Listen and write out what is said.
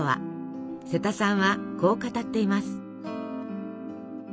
瀬田さんはこう語っています。